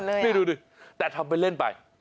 นี่ดูดิแต่ทำไปเล่นไป